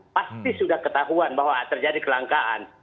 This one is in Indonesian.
pasti sudah ketahuan bahwa terjadi kelangkaan